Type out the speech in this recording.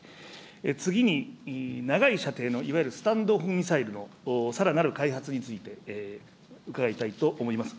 次に長い射程の、いわゆるスタンド・オフ・ミサイルのさらなる開発について、伺いたいと思います。